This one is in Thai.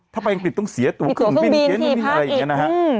ถ้าไปอังกฤษต้องเสียตัวครึ่งปิดตัวครึ่งบีนอีกปี้มพักอีก